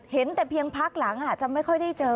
เห็นแต่เพียงพักหลังจะไม่ค่อยได้เจอ